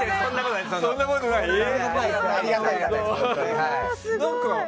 そんなことないです。